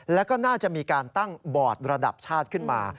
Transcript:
แล้วก็น่าจะมีการตั้งบอร์ดระดับชาติขึ้นมา